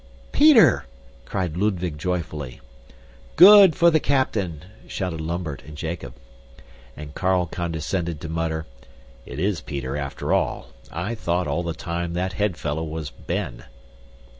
"Peter!" cried Ludwig joyfully. "Good for the captain!" shouted Lambert and Jacob. And Carl condescended to mutter, "It IS Peter after all. I thought, all the time, that head fellow was Ben."